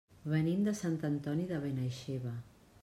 Venim de Sant Antoni de Benaixeve.